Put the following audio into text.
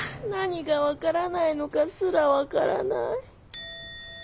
何が分からないのかすら分からない。